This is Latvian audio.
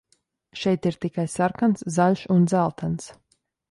Šeit ir tikai sarkans, zaļš un dzeltens.